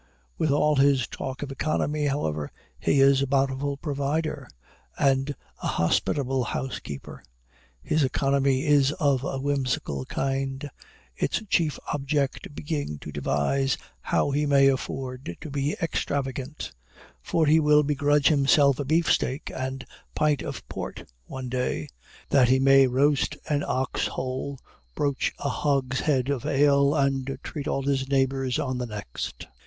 With all his talk of economy, however, he is a bountiful provider, and a hospitable housekeeper. His economy is of a whimsical kind, its chief object being to devise how he may afford to be extravagant; for he will begrudge himself a beefsteak and pint of port one day, that he may roast an ox whole, broach a hogshead of ale, and treat all his neighbors on the next.